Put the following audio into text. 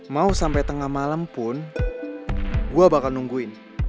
mau sampai tengah malam pun gue bakal nungguin